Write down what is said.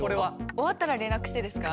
終わったら連絡してですか？